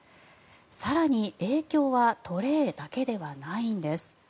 更に、影響はトレーだけではないんです。